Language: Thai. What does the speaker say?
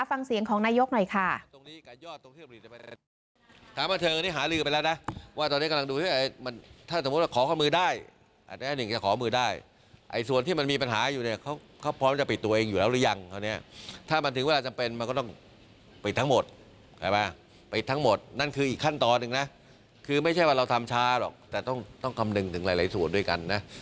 ฟังเสียงของนายกหน่อยค่ะ